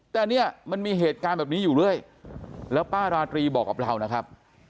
แต่เนี่ยมันมีเหตุการณ์แบบนี้อยู่เรื่อยแล้วป้าราตรีบอกกับเรานะครับ